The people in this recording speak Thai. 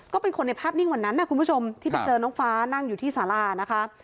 ก็เป็นคนในภาพนิ่งวันนั้นนะคุณผู้ชมที่ไปเจอน้องฟ้านั่งอยู่ที่สารานะคะ